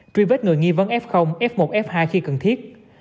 truy vết người nghi vấn f f một f hai khi cần thiết